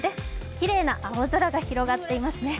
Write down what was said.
きれいな青空が広がっていますね。